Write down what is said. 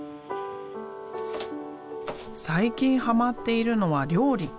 最近はまっているのは料理。